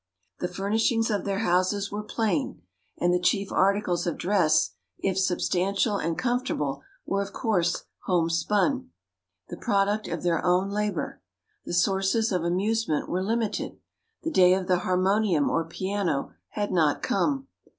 The furnishings of their houses were plain, and the chief articles of dress, if substantial and comfortable, were of coarse homespun the product of their own labour. The sources of amusement were limited. The day of the harmonium or piano had not come.